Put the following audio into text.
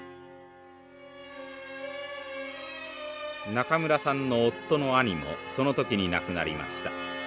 中村さんの夫の兄もその時に亡くなりました。